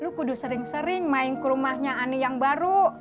lu kudus sering sering main ke rumahnya ani yang baru